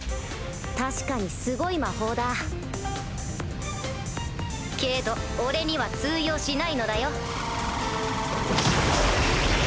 ・確かにすごい魔法だ・けど俺には通用しないのだよ。